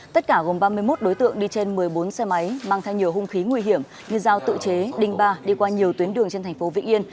tất cả gồm ba mươi một đối tượng đi trên một mươi bốn xe máy mang thay nhiều hung khí nguy hiểm như giao tự chế đình ba đi qua nhiều tuyến đường trên tp vĩnh yên